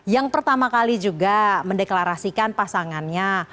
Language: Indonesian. yang pertama kali juga mendeklarasikan pasangannya